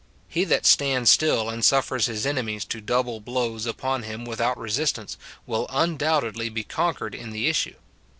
He that stands still and suffers his enemies to double blows upon him without resistance, will undoubtedly be conquered in the issue.